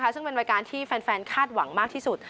ซึ่งเป็นรายการที่แฟนคาดหวังมากที่สุด